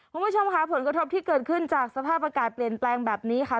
คุณผู้ชมค่ะผลกระทบที่เกิดขึ้นจากสภาพอากาศเปลี่ยนแปลงแบบนี้ค่ะ